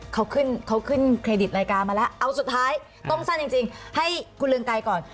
เขาขึ้นเขาขึ้นเครดิตรายการมาแล้วเอาสุดท้ายต้องสั้นจริงให้คุณเรืองไกรก่อน